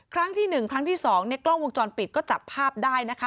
ครั้งที่๑ครั้งที่๒เนี่ยกล้องวงจรปิดก็จับภาพได้นะคะ